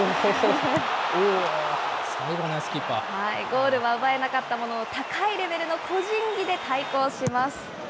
ゴールは奪えなかったものの、高いレベルの個人技で対抗します。